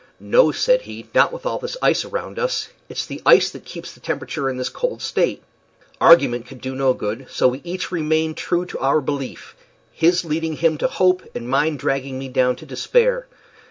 "No," said he, "not with all this ice around us. It's the ice that keeps the temperature in this cold state." Argument could do no good, and so we each remained true to our belief his leading him to hope, and mine dragging me down to despair.